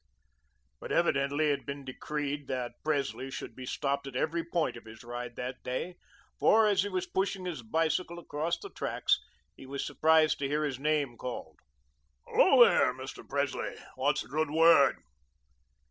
But evidently it had been decreed that Presley should be stopped at every point of his ride that day, for, as he was pushing his bicycle across the tracks, he was surprised to hear his name called. "Hello, there, Mr. Presley. What's the good word?"